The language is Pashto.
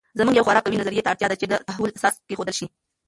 زموږ یوې خورا قوي نظریې ته اړتیا ده چې د تحول اساس کېښودل سي.